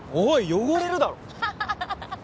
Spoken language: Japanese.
汚れるだろ！